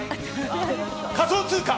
仮想通貨！